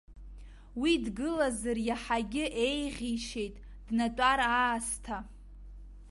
Уи дгылазар иаҳагьы еиӷьишьеит днатәар аасҭа.